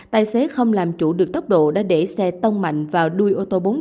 tài xế không làm chủ được tốc độ đã để xe tông mạnh vào đường